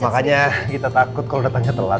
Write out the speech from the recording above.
makanya kita takut kalau datangnya telat